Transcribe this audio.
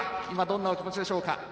今どんなお気持ちでしょうか。